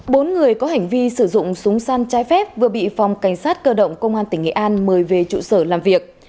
bốn người có hành vi sử dụng súng săn trái phép vừa bị phòng cảnh sát cơ động công an tỉnh nghệ an mời về trụ sở làm việc